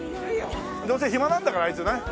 どうせ暇なんだからあいつな。